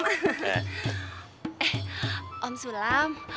eh om sulam